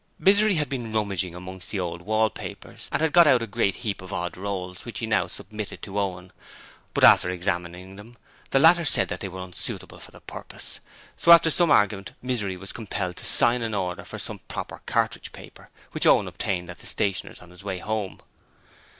Misery had been rummaging amongst the old wallpapers, and had got out a great heap of odd rolls, which he now submitted to Owen, but after examining them the latter said that they were unsuitable for the purpose, so after some argument Misery was compelled to sign an order for some proper cartridge paper, which Owen obtained at a stationer's on his way home.